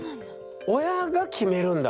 親が決めるんだ。